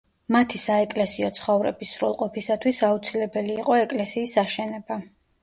მათი საეკლესიო ცხოვრების სრულყოფისათვის აუცილებელი იყო ეკლესიის აშენება.